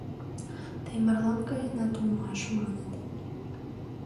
Тый марлан каенат улмаш, маныт.